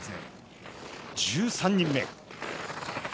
１３人目。